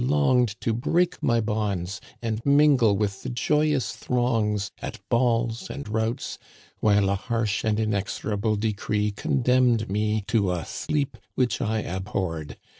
57 longed to break my bonds and mîngle with the joyous throngs at balls and routs, while a harsh and inexorable decree condemned me to a sleep which I abhorred